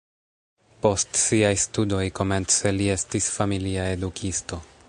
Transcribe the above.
Post siaj studoj komence li estis familia edukisto.